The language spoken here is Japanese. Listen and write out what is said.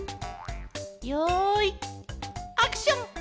よいアクション！